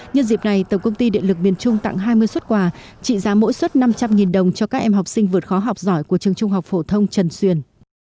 nhân dịp này tổng công ty điện lực miền trung tặng hai mươi xuất quà trị giá mỗi xuất năm trăm linh đồng cho các em học sinh vượt khó học giỏi của trường trung học phổ thông trần xuyền